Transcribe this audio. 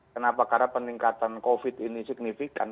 kenapa karena peningkatan covid ini signifikan